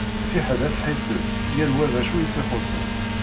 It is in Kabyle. Fiḥel asḥisef, yal wa d acu i t-ixuṣen.